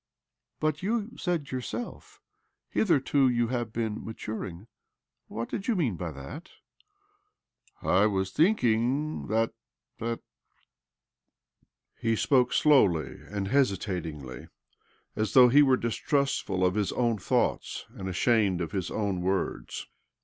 "But you said to yourself :' Hitherto you have been maturing.' What did you mean by that ?"" I was thinking that, that " He spoke slowly and hesitatingly, as though he were distrustful of his own thoughts and ashamed of his own \vords.